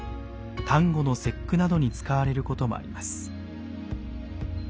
端午の節句などに使われることもあります。